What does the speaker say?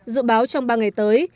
dự báo trong ba ngày tới